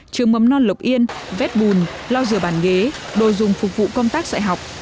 trường mầm non lộc yên vét bùn lau rửa bàn ghế đồ dùng phục vụ công tác xã học